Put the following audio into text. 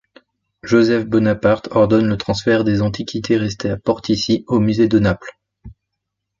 Joseph Bonaparte ordonne le transfert des antiquités restées à Portici au musée de Naples.